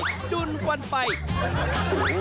มากันที่จังหวัดกำแพงเพชรกันบ้าง